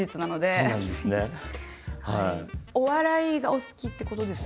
もうお笑いがお好きってことです？